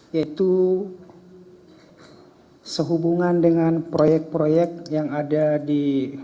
yaitu sehubungan dengan proyek proyek yang ada di